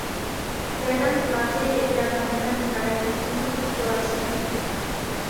Լերան տուած է երկրաբանական նկարագրութիւնն ու կտրուածքները։